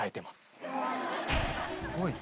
すごいね。